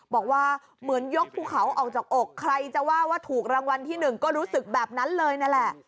บอกว่าเหมือนยกภูเขาออกจากอกใครจะว่าว่าถูกรางวัลที่หนึ่งก็รู้สึกแบบนั้นเลยนั่นแหละ